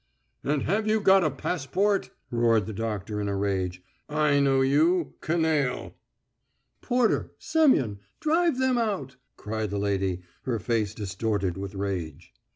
"And have you got a passport?" roared the doctor in a rage. "I know you canaille." "Porter! Semyon! Drive them out!" cried the lady, her face distorted with rage.